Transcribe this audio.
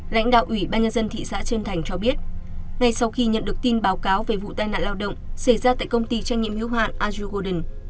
lãnh đạo ủy ban nhân dân thị xã trân thành cho biết ngay sau khi nhận được tin báo cáo về vụ tai nạn lao động xảy ra tại công ty trang nhiệm hiếu hoạn azure golden